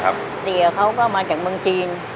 เป็นเรื่องเขามาจากเมืองจีน